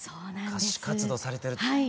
歌手活動されてるという。